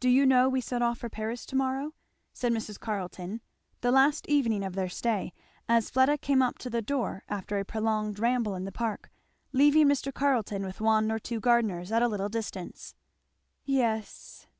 "Do you know we set off for Paris to morrow?" said Mrs. Carleton the last evening of their stay, as Fleda came up to the door after a prolonged ramble in the park, leaving Mr. Carleton with one or two gardeners at a little distance. "Yes!"